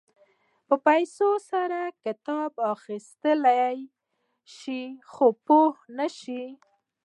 په پیسو سره کتاب اخيستلی شې خو پوهه نه شې.